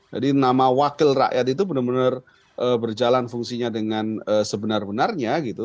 jadi nama wakil rakyat itu benar benar berjalan fungsinya dengan sebenar benarnya